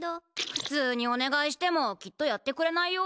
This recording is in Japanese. ふつうにおねがいしてもきっとやってくれないよ。